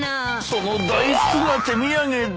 その大福が手土産で。